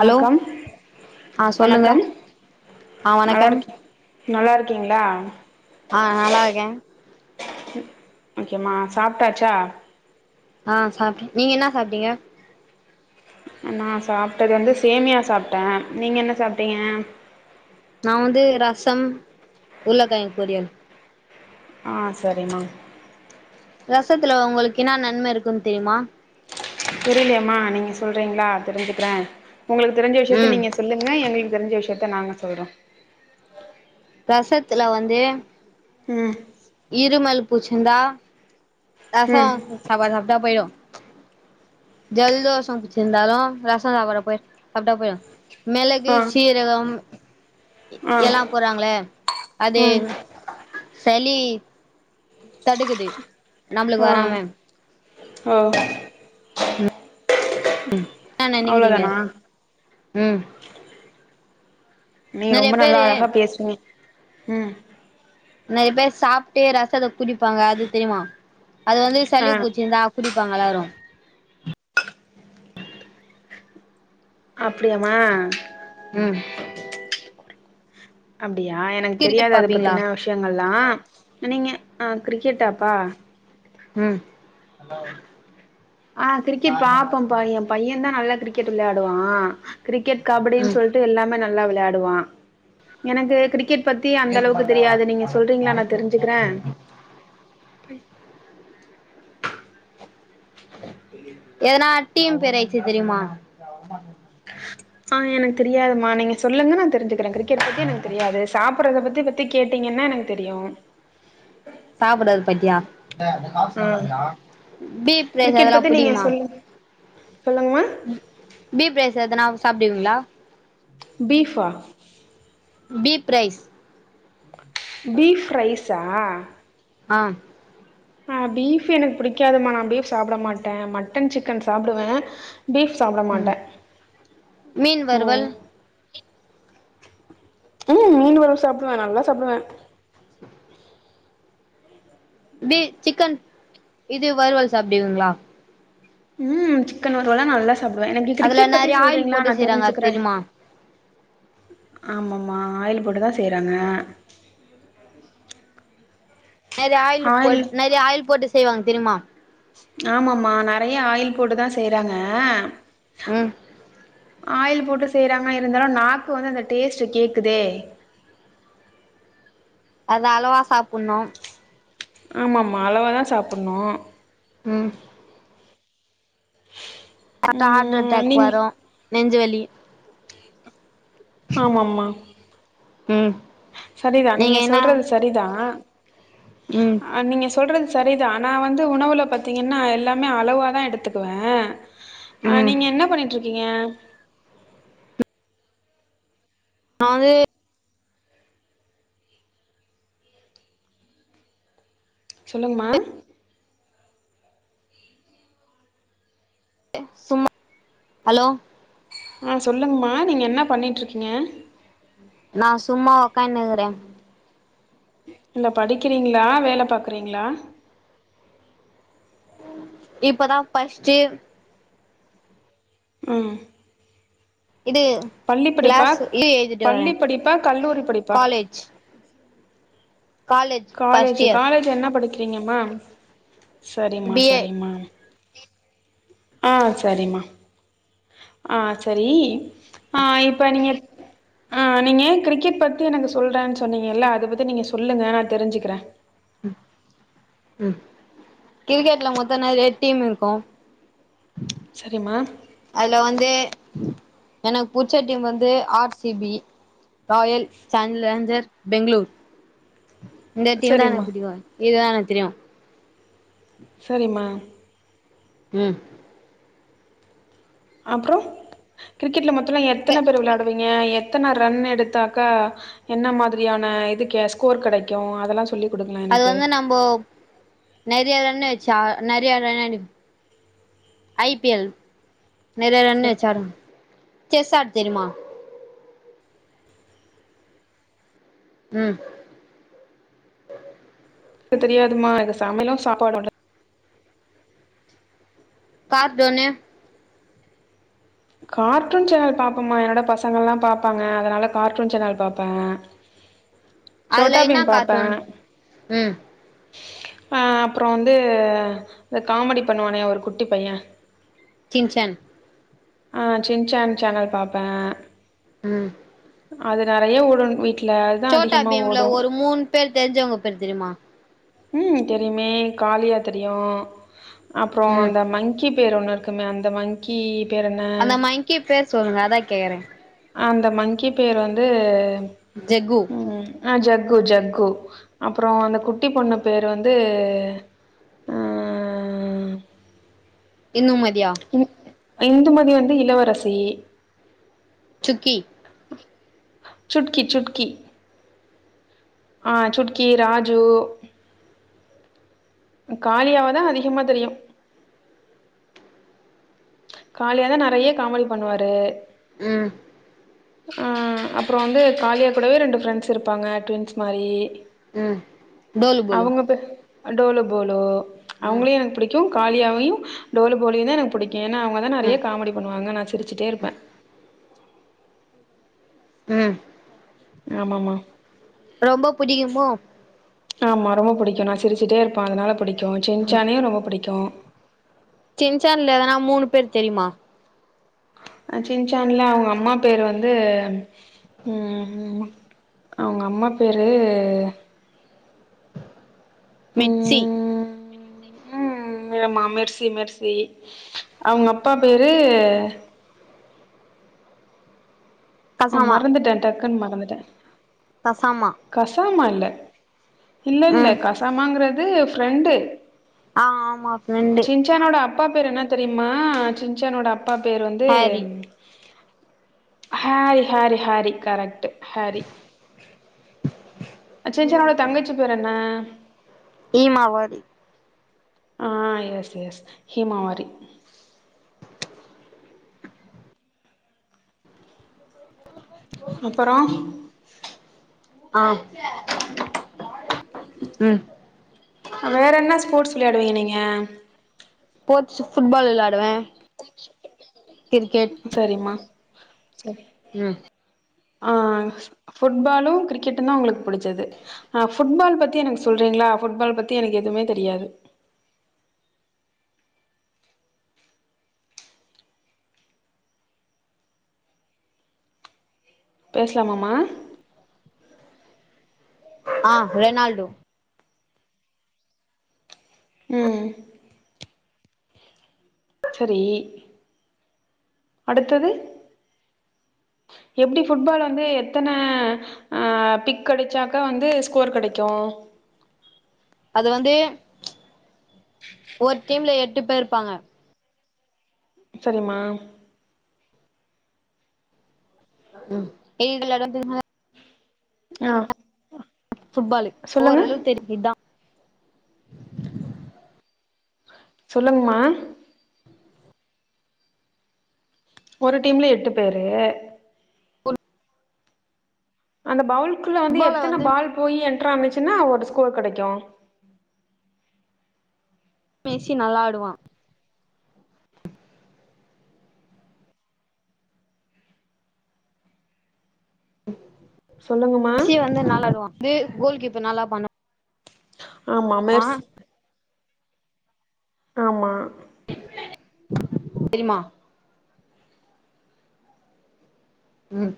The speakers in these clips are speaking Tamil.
ஹலோ ஆ சொல்லுங்க வணக்கம் ஆ வணக்கம் நல்லாருக் நல்லாருக்கீங்ளா ஆ நல்லா இருக்கே ஓகேமா சாப்ட்டாச்சா ஆ சாப்ட்ட நீங்க என்ன சாப்ட்டீங்க நா சாப்ட்டது வந்து சேமியா சாப்ட்ட நீங்க என்ன சாப்ட்டீங்க நா வந்து ரசம் உருளக்கெழ்ங்கு பொரியல் ஆ செரிமா ரசத்துல உங்களுக்கு என்ன நன்ம இருக்குன் தெரிமா புரிலியேமா நீங்க சொல்றீங்ளா தெரிஞ்சுக்றே உங்ளுக் தெரிஞ்ச விஷ்யத்த ம் நீங்க சொல்லுங்க எங்குளுக்கு தெரிஞ்ச விஷ்யத்த நாங்க சொல்றோ ரசத்துல வந்து ம் இருமல் புச்சுந்தா ரசோ ம் சாப்பாடு சாப்ட்டா போயிடு ஜெல்தோஷ புடிச்சிருந்தாலு ரசோ சாப்பாட சாப்ட்டா போயிடு மிளகு ஆ சீரகம் ஆ எல்லா போற்றாங்ள அது ம் சலி தடுக்குது நம்மளுக்கு அ வராம ஒ அ நெனக்கிறீங்க அவ்ளோதானா ம் நீ நெறைய ரொம்ப நல்லா பேரு அழகா பேசினிங்க ம் நெறைய பேர் சாப்ட்டு ரசத்த குடிப்பாங்க அது தெரிமா அது வந்து ஆ சலி புச்சிருந்தா குடிப்பாங்க எல்லாரு அப்டியாமா ம் அப்டியா எனக்கு கிரிக்கெட் தெரியாது அத பாப்பீங்களா பத்தின விஷ்யங்கல்லா நீங்கஅ கிரிக்கெட்டாப்பா ம் ஆ கிரிக்கெட் பாப்போம்பா எ பைய தா நல்லா கிரிக்கெட் விள்யாடுவா கிரிக்கெட் கபடின் ம் சொல்ட்டு எல்லாமே நல்லா விளையாடுவா எனக்கு கிரிக்கெட் பத்தி அந்த அளவுக்கு தெரியாது நீங்க சொல்றீங்ளா நா தெரிஞ்சுக்ற [unintelligible] எதனா டீம் பேர் எய்ச்சு தெரியுமா [unintelligible] அ எனக்கு தெரியாதுமா நீங்க சொல்லுங்க நா தெரிஞ்சுக்ற கிரிக்கெட் பத்தி எனக்கு தெரியாது சாப்புட்றத பத்தி தி கேட்டீங்கன்னா எனக்கு தெரியு சாப்புட்டது பத்தியா ம் பீஃப் ரைஸ் கிரிக்கெட் அதலா பத்தி நீங்க புடிக்குமா சொல்லு சொல்லுங்கமா பீஃப் ரைஸ் எதுனா சாப்டுவீங்ளா பீஃபா பீப் ரைஸ் பீஃப் ரைஸா அ அ பீஃப் எனக்கு புடிக்காதுமா நா பீஃப் சாப்ட மாட்ட மட்டன் சிக்கன் சாப்டுவ பீஃப் சாப்புட மாட்ட மீன் வறுவல் வரு சாப்டுவ நால்லா சாப்டுவ பீ சிக்கன் இது வருவல் சாப்டுவீங்ளா ம் சிக்கன் வறுவல்லா நல்ல சாப்டுவ எனக்கு அதுல கிரிக்கெட் பத்தி நெறைய ஆயில் சொல்றீங்ளா போட்டு நா செய்றாங்க அது தெரிஞ்சுக்ற தெரியுமா ஆமாம்மா ஆயில் போட்டு தா செய்றாங்க நெறிய ஆயில் போட் நெறிய ஆயில் போட்டு செய்வாங்க தெரியுமா ஆமம்மா நறைய ஆயில் போட்டு தா செய்றாங்க ம் ஆயில் போட்டு செய்றாங்க இருந்தாலு நாக்கு வந்து அந்த டேஸ்ட்டு கேட்குதே அது அளவா சாப்புட்ணு ஆமம்மா அளவா தா சாப்புட்ணு ம் [inaudible] ஹார்ட் ம் அட்டாக் நீங்க வரு நெஞ்சுவலி ஆமாம்மா உம் சரிதா நீங்க சொல்றது சரிதா உம் அ நீங்க சொல்றது சரிதா நா வந்து உணவுல பாத்திங்கன்னா எல்லாமே அளவா தா எடுத்துக்குவே அ ம் நீங்க என்ன பண்ணிட்ருக்கீங்க [unintelligible] சொல்லுங்மா சும்மா அலோ அ சொல்லுங்மா நீங்க என்ன பண்ணிட்ருக்கீங்க நா சும்மா ஒக்கானுக்குறே இல்ல படிக்கிறீங்ளா வேல பாக்குறீங்ளா இப்பதா பஸ்ட்டு ம் இது பள்ளி படிப்பா கிளாஸ் இது எழுதிட்டு வரே பள்ளி படிப்பா கல்லூரி படிப்பா college college first college year college என்ன படிக்கிறீங்கம்மா செரிமா பி ஏ செரிமா ஆ செரிமா ஆ சேரி ஆ இப்ப நீங்க ஆ நீங்க கிரிக்கெட் பத்தி எனக்கு சொல்றேன் சொன்னீங்கல்ல அத பத்தி நீங்க சொல்லுங்க நா தெரிஞ்சிக்கிறே ம் கிரிக்கெட்ல மொத்தோ நெறைய டீம் இருக்கு செரிம்மா அதுல வந்து எனக் புச்ச டீம் வந்து R C B Royal challenger Bangalore இந்த டீம் தா சரிம்மா எனக் பிடிக்கு இதுதா எனக் தெரியு செரிமா உம் அப்பறோ கிரிக்கெட்ல மொத்தலா கே எத்தன பேர் வெளயாடுவீங்க எத் எத்தன ரன் எடுத்தாக்கா என்ன மாதிரியான இதுக் கெ ஸ்கோர் கெடைக்கு அதெல்லா சொல்லி அது வந்து நம்போ நெறைய ரன் வெச்சா நெறைய ரன் அடிப் ஐ பி எல் நெறைய ரன் வெச் ஆடு செஸ் ஆட் தெரிமா உம் இப்போ தெரியாதும்மா இது சமையலு சாப்பாடோட கார்ட்டோனு கார்ட்டூன் சேனல் பாப்போம்மா என்னோட பசங்கெல்லா பாப்பாங்க அதனால கார்ட்டூன் சேனல் பாப்பே அதுல சோட்டா என்னா பீம் கார்ட்டூன் பாப்பே ம் ஆ அப்பறோ வந்து இந்த காமெடி பண்ணுவானே ஒரு குட்டி பைய சின்சன் ஆ சின்சன் சேனல் பாப்பே ம் அது நெறைய ஓடுன் வீட் சோட்டா பீம்ல ஒரு மூண் பேர் தெரிஞ்சவங்க பேர் தெரிமா ம் தெரியுமே காலியா தெரியு அப்றோ ம் அந்த மங்கி பேர் ஒன்னுருக்குமே அந்த மங்க்கி பேர் என்ன க்கி பேர் சொல்லுங்க அதா கேக்கறே அந்த மங்க்கி பேர் வந்து ஜெக்கு ம் ஆ ஜக்கு ஜக்கு அப்றோ அந்த குட்டி பொண்ணு பேர் வந்து ஆ இந்நுமதியா ம் இந்துமதி வந்து இளவரசி சுக்கி சுட்கி சுட்கி ஆ சுட்கி, ராஜு காளியாவதா அதிகமா தெரியு காளியா தா நறைய காமெடி பண்ணுவாரு ம் அ அப்பறோ வந்து காளியா கூடவே ரெண்டு ஃப்ரெண்ட்ஸ் இருப்பாங்க ட்வின்ஸ் மாரி ம் டோலு போலு அவங்க பே அ டோலு போலு ம் அவங்ளயு எனக் பிடிக் கு காளியாவயு டோலு போலுயு தா எனக்கு புடிக்கு ஏனா அவங்க தா நெறைய ம் காமடி பண்ணுவாங்க நா சிரிச்சிட்டே இருப்பே ம் ஆமாமா ரொம்ப புடிக்குமோ ஆமா ரொம்ப புடிக்கு நா சிரிச்சிட்டே இருப்பே அதுனால புடிக்கு சின்சானயு ரொம்ப புடிக்கு சின்சான்ல எதனா மூணு பேர் தெரிமா அ சின்சான்ல அவங்க அம்மா பேரு வந்து ம் அவங்க அம்மா பேரு மெட்ஸி ம் ஆமா மெர்ஸி மெர்ஸி அவங்கப்பா பேரு அ கசாமா மறந்துட்டே டக்குன் மறந்துட்டே கஸாமா கஸாமா இல்ல இல்லல்ல ம் கஸாமாங்றது ஃப்ரெண்டு ஆ ஆமா ஃப்ரெண்டு சின்சான்னோட அப்பா பேரு என்ன தெரியுமா சின்சான்னோட அப்பா பேர் வந்து ஹாரி ம் Harry Harry Harry correct Harry சின்சான்னோட தங்கச்சி பேர் என்ன ஈமாவாரி ஆ எஸ் எஸ் ஹீமாவாரி அப்பறோ ஆ ம் வேறென்ன ஸ்போட்ஸ் விளயாடுவீங்க நீங்க ஸ்போட்ஸ்ஸு ஃபுட்பால் விளாடுவே கிரிக்கெட் சரிம்மா சரி ம் ஆ ஃபுட்பாலு கிரிக்கெட்டு தா உங்களுக் புடிச்சது ஆ ஃபுட்பால் பத்தி எனக் சொல்றீங்ளா ஃபுட்பால் பத்தி எனக் எதுமே தெரியாது பேஸ்லாமாமா ஆ ரெனால்டு ம் சரி அடுத்தது எப்டி புட்பால் வந்து எத்தன ஆ டிக் அடிச்சாக்கா வந்து ஸ்கோர் கெடைக்கு அது வந்து ஒரு டீம்ல எட்டு பேர் இருப்பாங்க சேரிமா ம் [unintelligible] ஆ ஃபுட் பாலு சொல்லுங்க ஓரளவு தெரியு இதா சொல்லுங்மா ஒரு டீம்ல எட்டு பேரு அந்த பவுல்குள்ள வந்து எத்தன பால் போய் என்டர் ஆனுச்சுன்னா ஒரு ஸ்கோர் கெடைக்கு பேசி நல்லாடுவா சொல்லுங்கமா சி வந்து நல்லாடுவா இது கோல் கீப்பர் நல்லா பண்ணு ஆமா மெர்ஸ் ஆமா தெரிமா ம்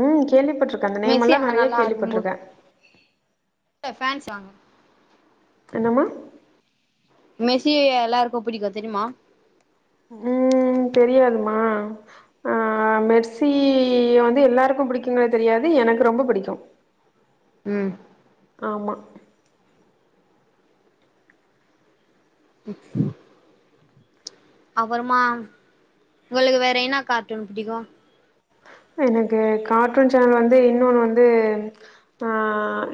ம் கேள்விப்பட்டிருக்கே அந்த நேம் மெஸ்ஸி எல்லா அங்க நெறைய நல்லா கேள்விப்பட்டுருக்கே ஏ பேன்ஸ் வாங்க என்னம்மா மெசி எல்லாருக்கு பிடிக்கு தெரியுமா ம் தெரியாதுமா ஆஹ மெர்சி வந்து எல்லாருக்கு பிடிக்குங்களே தெரியாது எனக்கு ரொம்ப பிடிக்கு ம் ஆமா க்கு அப்றமா உங்களுக்கு வேற என்ன கார்ட்டூன் பிடிக்கு எனக்கு கார்ட்டூன் சேனல் வந்து இன்னொன்னு வந்து ஆ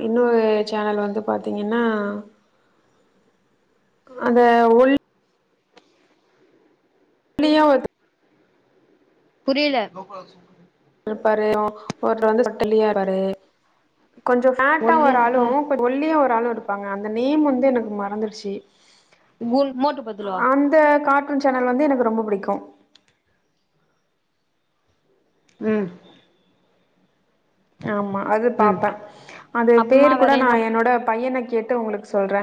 இன்னொரு சேனல் வந்து பாத்தீங்கன்னா அந்த ஒல் நீயே ஓட்டு புரியல இருப்பாரு ஒரு வந்துட்டலியாறாரு கொஞ்சோ ஃபேட்டா ஒல்லியா ஓரு ஆளு இருப்பா ஒல்லியா ஒரு ஆளு இருப்பாங்க அந்த நேம் வந்து எனக்கு மறந்துடுச்சு குண் மோட்டு பத்துலுவா அந்த கார்ட்டூன் சேனல் வந்து எனக்கு ரொம்ப பிடிக்கு ம் ஆமா அது ம் பாரப்பே அது அப்புறமா பேரு வேற கூட நா என்ன என்னோட பையனை கேட்டு உங்களுக்கு சொல்றே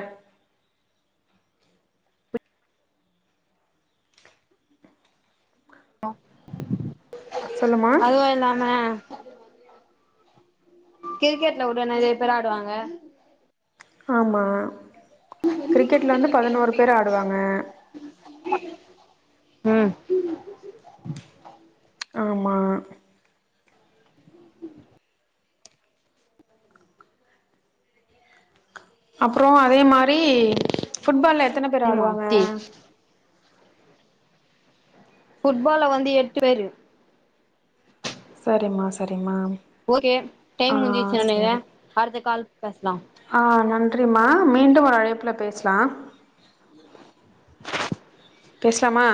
சொல்லுமா அதுவு இல்லாம கிரிக்கெட்ல உட்ட நேறைய பேர் ஆடுவாங்க ஆமாம் கிரிக்கெடில் வந்து பதினோரு பேர் ஆடுவாங்க ம் ஆமா அப்ற அதே மாரி புட்பால்ல எத்தனை பேர் தெரியுமா ஆடுவாங்க டி ஃபுட்பால வந்து எட்டு பேரு சேரிம்மா சேரிம்மா ஓகே டைம் முடிஞ்சிருச்சுன் நெனைக்கிறே அடுத்த கால் பேசலா ஆ நன்றிம்மா மீண்டும் ஒரு அழைப்புல பேசலா பேசலாமா